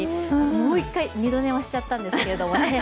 もう一回、二度寝しちゃったんですけどね。